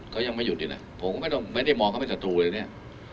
เขายังไม่หยุดดีผมมาไม่ได้มองเขาทำให้สัตว์